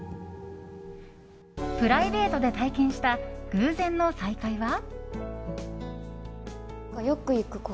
プライベートで体験した偶然の再会は？